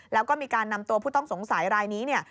แล้วก็มีการนำตัวผู้ต้องสงสัยรายนี้เนี่ย